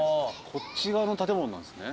こっち側の建物なんすね。